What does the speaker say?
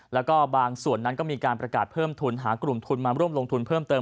แล้วก็บางส่วนนั้นก็มีการประกาศเพิ่มทุนหากลุ่มทุนมาร่วมลงทุนเพิ่มเติม